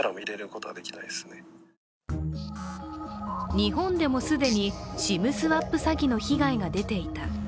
日本でも既にＳＩＭスワップ詐欺の被害が出ていた。